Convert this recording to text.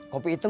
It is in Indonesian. kopi hitam kan